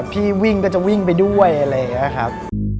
พี่วิ่งก็จะวิ่งไปด้วยอะไรอย่างนี้ครับ